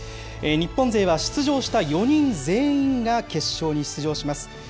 日本勢は出場した４人全員が決勝に出場します。